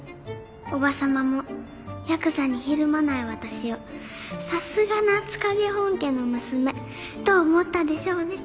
叔母様もヤクザにひるまない私を「さすが夏影本家の娘」と思ったでしょうね。